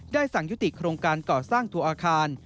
สั่งยุติโครงการก่อสร้างตัวอาคาร